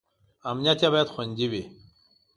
امنیت یې باید خوندي وي.